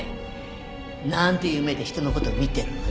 なんていう目で人の事見てるのよ。